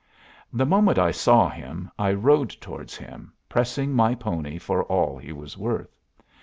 The moment I saw him, I rode towards him, pressing my pony for all he was worth.